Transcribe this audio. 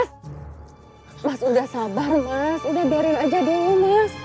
mas udah sabar mas udah beriel aja dulu mas